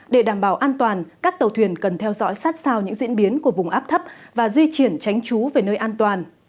để đảm bảo an toàn các tàu thuyền cần theo dõi sát sao những diễn biến của vùng áp thấp và di chuyển tránh trú về nơi an toàn